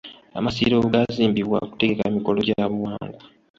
Amasiro gaazimbibwa kutegeka mikolo gya buwangwa.